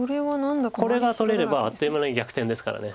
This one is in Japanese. これが取れればあっという間に逆転ですから。